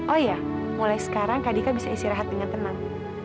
oh iya mulai sekarang kak dika bisa istirahat dengan tenang